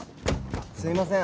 すいません。